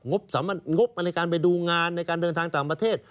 งบในการไปดูงานในการเดินทางต่างประเทศ